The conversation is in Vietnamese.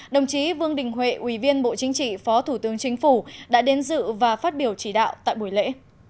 đồng chí vương đình huệ ủy viên bộ chính trị phó thủ tướng chính phủ đã đến dự và phát biểu chỉ đạo tại buổi lễ